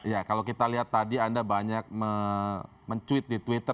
ya kalau kita lihat tadi anda banyak mencuit di twitter